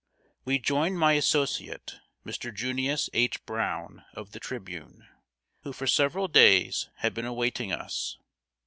] We joined my associate, Mr. Junius H. Browne, of The Tribune, who for several days had been awaiting us.